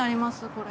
これ。